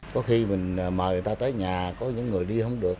có khi mình mời người ta tới nhà có những người đi không được